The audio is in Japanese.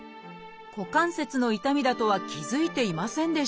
股関節の痛みだとは気付いていませんでした。